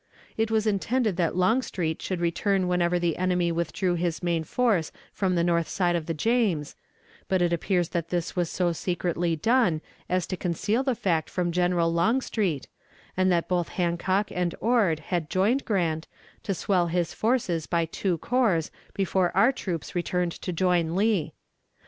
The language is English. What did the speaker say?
It was intended that Longstreet should return whenever the enemy withdrew his main force from the north side of the James; but it appears that this was so secretly done as to conceal the fact from General Longstreet, and that both Hancock and Ord had joined Grant, to swell his forces by two corps before our troops returned to join Lee.